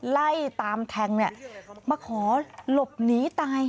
ไล่ตามแทงมาขอหลบหนีตาย